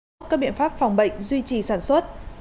các biện pháp phòng bệnh duy trì sản xuất